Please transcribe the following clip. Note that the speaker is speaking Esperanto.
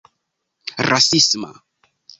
rasisma